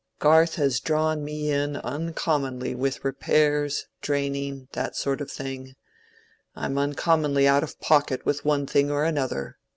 Garth has drawn me in uncommonly with repairs, draining, that sort of thing: I'm uncommonly out of pocket with one thing or another.